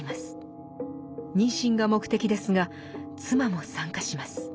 妊娠が目的ですが妻も参加します。